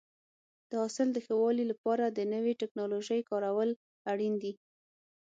د حاصل د ښه والي لپاره د نوې ټکنالوژۍ کارول اړین دي.